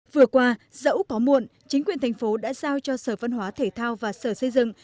vừa qua dẫu có muộn chính quyền thành phố đã giao cho sở văn hóa thể thao và sở xây dựng